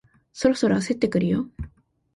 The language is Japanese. そろそろ焦ってくるよ